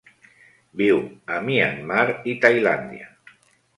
Viu a Myanmar i Tailàndia.